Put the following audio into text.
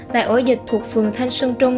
tại ổ dịch thuộc phường thanh xuân trung